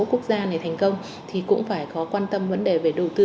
quốc gia này thành công thì cũng phải có quan tâm vấn đề về đầu tư